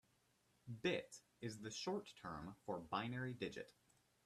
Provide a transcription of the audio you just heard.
Bit is the short term for binary digit.